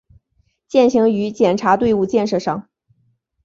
践行于检察队伍建设上